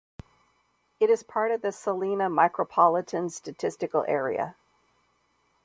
It is part of the Salina Micropolitan Statistical Area.